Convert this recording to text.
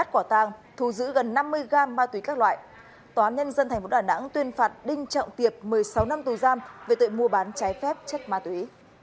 gần năm mươi gam ma túy các loại tòa án nhân dân thành phố đà nẵng tuyên phạt đinh trọng tiệp một mươi sáu năm tù giam về tội mua bán trái phép chất ma túy